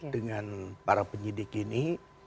dengan para penyidik ini